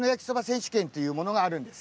選手権っていうものがあるんです。